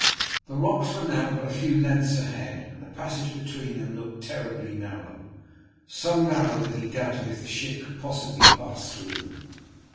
The rocks were now but a few lengths ahead, and the passage between them looked terribly narrow, so narrow that he doubted if the ship could possibly pass through them.